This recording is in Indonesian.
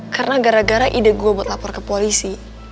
karena gara gara ide gue buat lapor ke polisi